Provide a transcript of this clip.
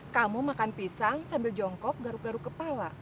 kamu makan pisang sambil jongkok garuk garu kepala